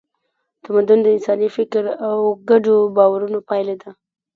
تمدن د انساني فکر او ګډو باورونو پایله ده.